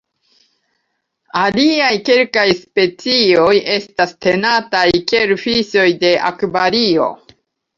Aliaj kelkaj specioj estas tenataj kiel fiŝoj de akvario.